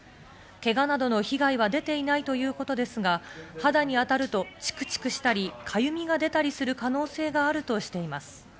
けがなどの被害は出ていないということですが、肌に当たるとチクチクしたり、痒みが出たりする可能性があるとしています。